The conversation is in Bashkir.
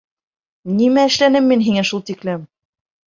Нимә эшләнем мин һиңә шул тиклем?